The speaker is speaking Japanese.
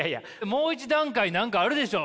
もう一段階何かあるでしょう？